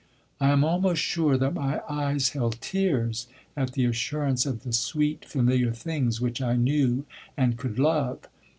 I am almost sure that my eyes held tears at the assurance of the sweet, familiar things which I knew and could love.